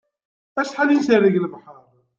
Acḥal i ncerreg lebḥer